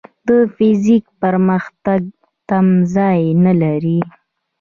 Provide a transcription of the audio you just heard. د فزیک پرمختګ تمځای نه لري.